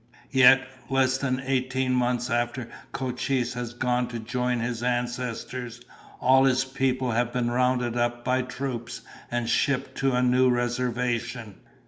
"Yet, less than eighteen months after Cochise has gone to join his ancestors, all his people have been rounded up by troops and shipped to a new reservation.